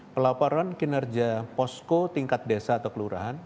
pelaporan kinerja posko tingkat desa atau kelurahan